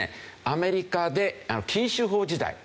アメリカで禁酒法時代。